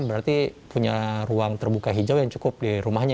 berarti punya ruang terbuka hijau yang cukup di rumahnya